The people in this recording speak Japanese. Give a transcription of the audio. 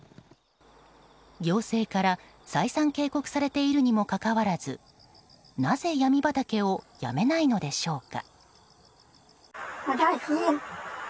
行政から再三警告されているにもかかわらずなぜヤミ畑をやめないのでしょうか。